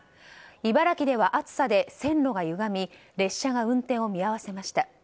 茨城では暑さで線路が歪み列車が運転を見合わせました。